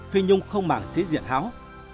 phi nhung không mảng xí diện háo